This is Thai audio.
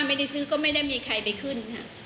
ไม่ได้ซื้อก็ไม่ได้มีใครไปขึ้นค่ะ